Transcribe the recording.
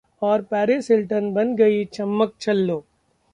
...और Paris Hilton बन गई 'छम्मक-छल्लो'